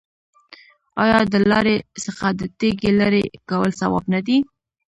آیا د لارې څخه د تیږې لرې کول ثواب نه دی؟